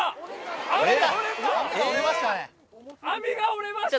網が折れました！